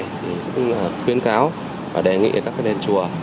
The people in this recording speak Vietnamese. thì cũng là khuyến cáo và đề nghị các đền chùa